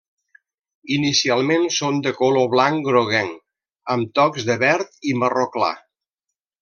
Inicialment són de color blanc groguenc, amb tocs de verd i marró clar.